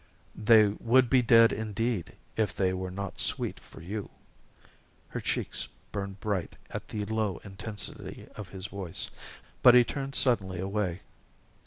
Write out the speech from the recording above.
"They would be dead indeed, if they were not sweet for you." Her cheeks burned bright at the low intensity of his voice, but he turned suddenly away.